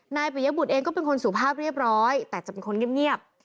ปิยบุตรเองก็เป็นคนสุภาพเรียบร้อยแต่จะเป็นคนเงียบ